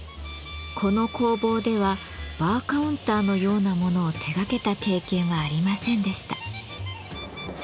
この工房ではバーカウンターのようなものを手がけた経験はありませんでした。